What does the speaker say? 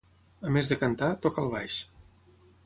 A més de cantar, toca el baix.